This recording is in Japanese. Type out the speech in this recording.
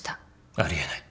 あり得ない。